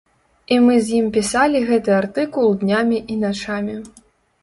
І мы з ім пісалі гэты артыкул днямі і начамі.